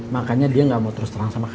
makanya dia gak mau terus terang sama kamu